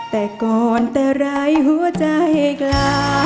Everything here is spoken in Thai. แต่ก่อนแต่รายหัวจะเห็กลา